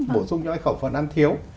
bổ sung cho cái khẩu phần ăn thiếu